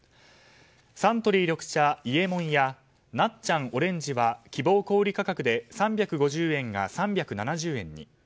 サントリー緑茶伊右衛門やなっちゃんオレンジは希望小売価格で３５０円が３７０円に。